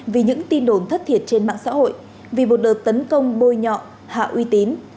vì những tin đồn thất thiệt trên mạng xã hội vì một đợt tấn công bôi nhọ hạ uy tín